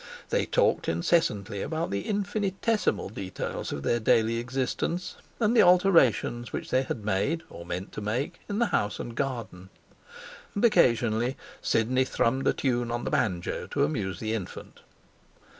They talked incessantly about the infinitesimal details of their daily existence, and the alterations which they had made, or meant to make, in the house and garden. And occasionally Sidney thrummed a tune on the banjo to amuse the infant.